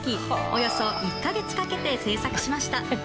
およそ１か月かけて制作しました。